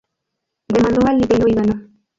Demandó al libelo y ganó.